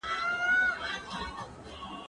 ته ولي تمرين کوې